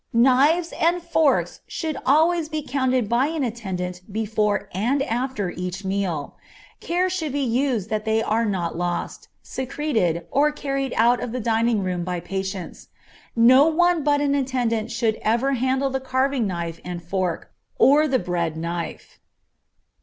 Knives and forks should always be counted by an attendant before and after each meal; care should be used that they are not lost, secreted, or carried out of the dining room by patients. No one but an attendant should ever handle the carving knife and fork, or the bread knife.